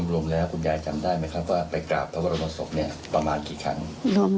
รวมแล้วคุณยายจำได้ไหมครับว่าไปกราบพระบรมศพเนี่ยประมาณกี่ครั้ง